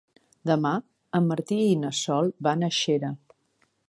Demà en Martí i na Sol van a Xera.